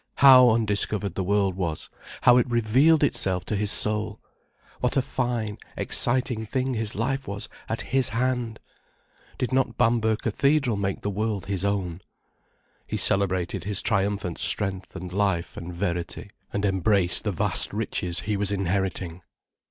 How undiscovered the world was, how it revealed itself to his soul! What a fine, exciting thing his life was, at his hand! Did not Bamberg Cathedral make the world his own? He celebrated his triumphant strength and life and verity, and embraced the vast riches he was inheriting.